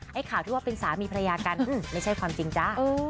ข่าวที่ว่าเป็นสามีภรรยากันไม่ใช่ความจริงจ้า